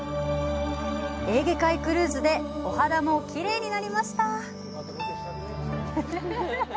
エーゲ海クルーズでお肌もきれいになりました。